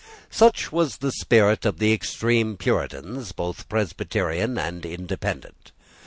Such was the spirit of the extreme Puritans, both Presbyterian and Independent.